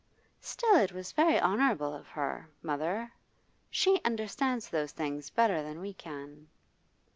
'Still it was very honourable of her, mother. She understands those things better than we can.